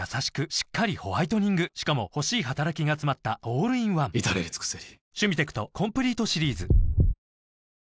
しっかりホワイトニングしかも欲しい働きがつまったオールインワン至れり尽せり